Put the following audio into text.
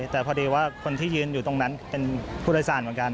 แต่พอดีว่าคนที่ยืนอยู่ตรงนั้นเป็นผู้โดยสารเหมือนกัน